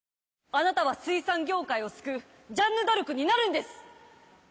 あなたは水産業界を救うジャンヌダルクになるんです！